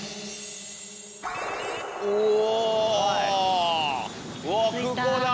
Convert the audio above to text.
おお。